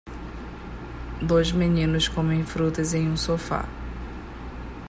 Dois meninos comem frutas em um sofá.